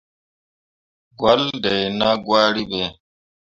Gwahlle dai nah gwari ɓe.